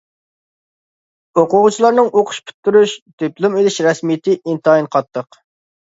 ئوقۇغۇچىلارنىڭ ئوقۇش پۈتتۈرۈش، دىپلوم ئېلىش رەسمىيىتى ئىنتايىن قاتتىق.